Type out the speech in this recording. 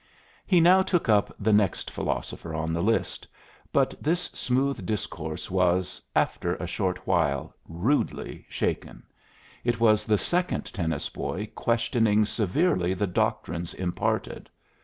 He now took up the next philosopher on the list; but his smooth discourse was, after a short while, rudely shaken. It was the second tennis boy questioning severely the doctrines imparted.